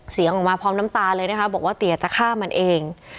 เสียงออกมาพร้อมน้ำตาเลยนะคะบอกว่าเตี๋ยจะฆ่ามันเอง